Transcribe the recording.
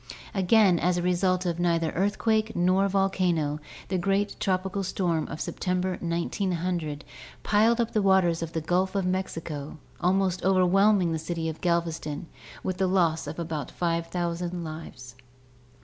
Again, as a result of neither earthquake nor volcano, the great tropical storm of Sep tember, 1900, piled up the waters of the Gulf of Mexico, almost overwhelming the city of Galveston, with a loss of about 5,000 lives.